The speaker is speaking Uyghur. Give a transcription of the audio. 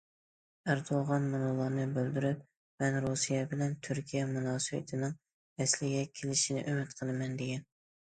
ئەردوغان مۇنۇلارنى بىلدۈرۈپ« مەن رۇسىيە بىلەن تۈركىيە مۇناسىۋىتىنىڭ ئەسلىگە كېلىشىنى ئۈمىد قىلىمەن» دېگەن.